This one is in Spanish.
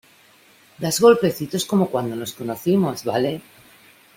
das golpecitos como cuando nos conocimos, ¿ vale?